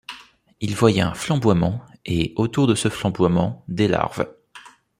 Il voyait un flamboiement, et, autour de ce flamboiement, des larves.